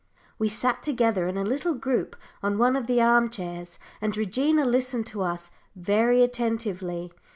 We sat together in a little group on one of the arm chairs, and Regina listened to us very attentively.